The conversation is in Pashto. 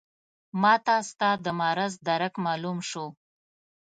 ماته ستا د مرض درک معلوم شو.